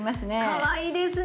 かわいいですね。